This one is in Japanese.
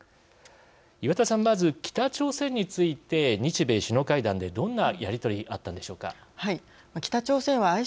岩田さん、まず北朝鮮について日米首脳会談でどんなやり取りはい。